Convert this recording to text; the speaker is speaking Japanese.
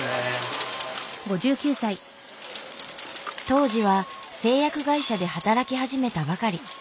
当時は製薬会社で働き始めたばかり。